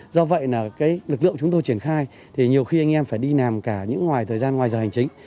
do vậy là lực lượng chúng tôi triển khai thì nhiều khi anh em phải đi nằm cả những thời gian ngoài giờ hành chính